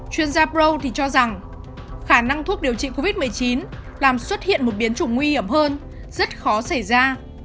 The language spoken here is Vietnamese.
chuyên gia pro thì cho rằng khả năng thuốc điều trị covid một mươi chín làm xuất hiện một biến chủng nguy hiểm hơn rất khó xảy ra